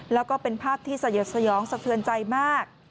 แล้วก็เป็นภาพที่สยดสยองสะเทือนใจมาก